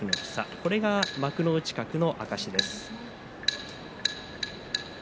これが幕内格の証しです。